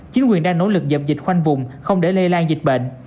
chính quyền đang nỗ lực dập dịch khoanh vùng không để lây lan dịch bệnh